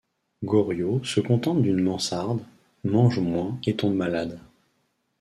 Goriot se contente d'une mansarde, mange moins et tombe malade.